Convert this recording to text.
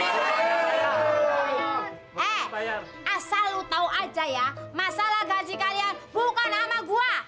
eh asal lo tau aja ya masalah gaji kalian bukan sama gua